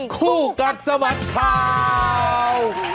คู่กัดสมัติข่าว